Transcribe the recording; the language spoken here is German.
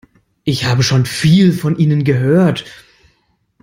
Ich habe schon viel von Ihnen gehört.